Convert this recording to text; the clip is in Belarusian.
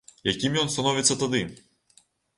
Якім ён становіцца тады?